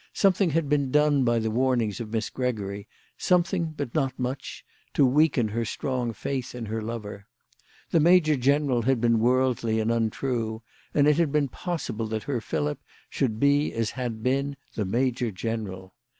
Something had been done by the warnings of Miss Gregory, something, but not much, to weaken her strong faith in her lover. The major general had been worldly and untrue, and it had been possible that her Philip should be as had been the major general.